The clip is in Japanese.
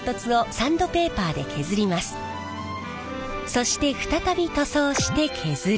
そして再び塗装して削る。